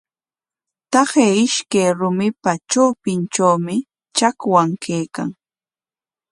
Taqay ishkay rumipa trawpintrawmi chakwan kaykan.